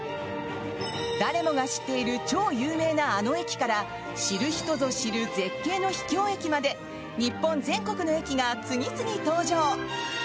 誰もが知っている超有名なあの駅から知る人ぞ知る絶景の秘境駅まで日本全国の駅が次々登場。